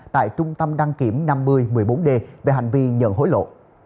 tại trung tâm đăng kiểm năm mươi một mươi bốn d về hành vi nhận hối lộ